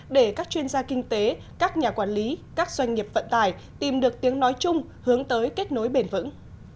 để các chuyên gia kinh tế các nhà quản lý các doanh nghiệp vận tải tìm được tiếng nói chung hướng tới kết nối bền vững